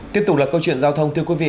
tiếp tục là câu chuyện giao thông thưa quý vị